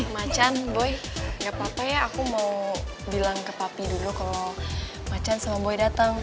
macan boy gak apa apa ya aku mau bilang ke papi dulu kalau macan sama boy datang